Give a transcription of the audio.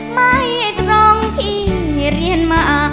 ไม่ตรงที่เรียนมา